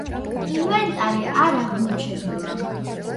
ინვენტარი არ აღმოჩენილა.